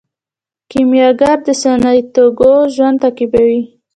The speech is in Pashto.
کیمیاګر د سانتیاګو ژوند تعقیبوي.